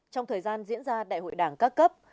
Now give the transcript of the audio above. trong thời gian diễn ra đại hội đảng các cấp